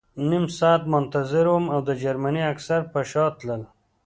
نیم ساعت منتظر وم او د جرمني عسکر په شا تلل